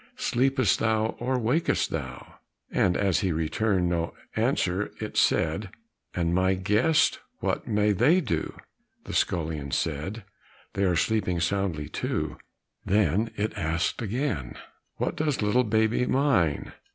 Sleepest thou, or wakest thou?" And as he returned no answer, it said, "And my guests, What may they do?" The scullion said, "They are sleeping soundly, too." Then it asked again, "What does little baby mine?"